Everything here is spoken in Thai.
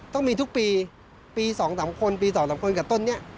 ต้องมีทุกปีปี๒๓คนปี๒๓คนกับต้นนี้